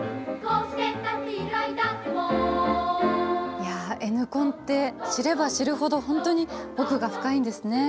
いやＮコンって知れば知るほどほんとに奥が深いんですね。